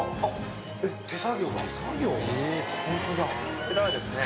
こちらはですね